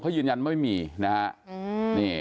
เขายืนยันไม่มีนะฮะ